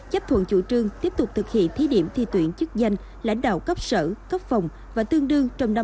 chấp thuận chủ trương tiếp tục thực hiện thí điểm thi tuyển chức danh lãnh đạo cấp sở cấp phòng và tương đương trong năm hai nghìn hai mươi